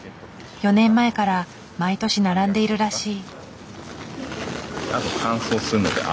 ４年前から毎年並んでいるらしい。